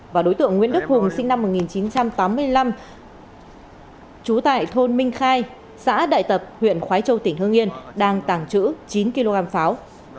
và đối tượng nguyễn đức hùng sinh năm một nghìn chín trăm tám mươi năm trú tại thôn minh khai xã đại tập huyện khói châu tỉnh hương yên đang tàng trữ chín kg pháo